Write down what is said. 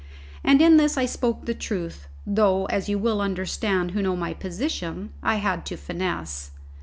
And in this I spoke the truth, though, as you will understand who know my position, I had to finesse.